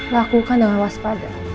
lakukan dengan waspada